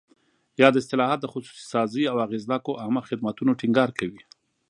یاد اصلاحات د خصوصي سازۍ او اغېزناکو عامه خدمتونو ټینګار کوي.